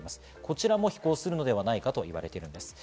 こちらも飛行するのではないかといわれています。